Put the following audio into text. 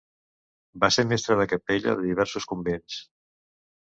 Va ser mestre de capella de diversos convents.